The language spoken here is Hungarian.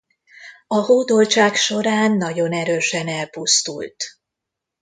A hódoltság során nagyon erősen elpusztult.